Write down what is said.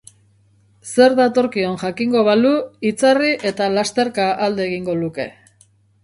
Zer datorkion jakingo balu, itzarri eta lasterka alde egingo luke.